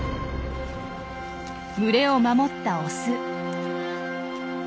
群れを守ったオス。